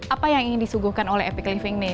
apa yang ingin disuguhkan oleh epic living nih